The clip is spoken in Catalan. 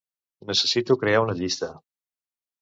Necessito crear una llista.